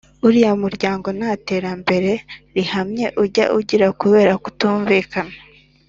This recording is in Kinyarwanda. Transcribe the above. uriya muryango nta terambere rihamye ujya ugira kubera kutumvikana.